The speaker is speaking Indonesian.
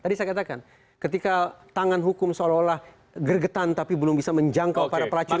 tadi saya katakan ketika tangan hukum seolah olah gergetan tapi belum bisa menjangkau para pelacur